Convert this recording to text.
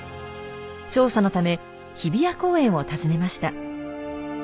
調査のため日比谷公園を訪ねました。